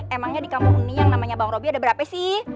emangnya di kampung huni yang namanya bang roby ada berapa sih